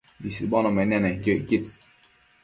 isbono nemianenquio icquid